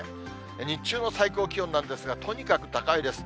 日中の最高気温なんですが、とにかく高いです。